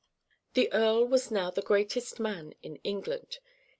] The earl was now the greatest man in England.